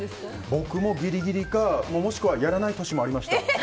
僕もギリギリか、もしくはやらない年もありました。